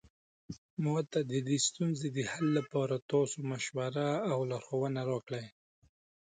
ما ته د دې ستونزې د حل لپاره تاسو مشوره او لارښوونه راکړئ